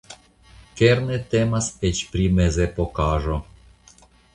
Kerne temas eĉ pri mezepokaĵo!